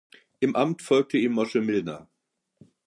Im Amt folgte ihm Moshe Milner.